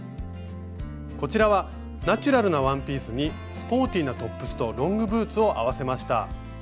こちらはナチュラルなワンピースにスポーティーなトップスとロングブーツを合わせました。